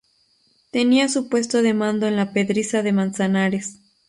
Tenía su puesto de mando en La Pedriza de Manzanares.